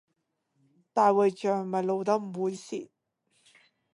大衛像咪露得唔猥褻